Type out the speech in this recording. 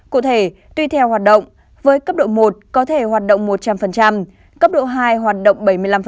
cụ thể tuy theo hoạt động với cấp độ một có thể hoạt động một trăm linh cấp độ hai hoạt động bảy mươi năm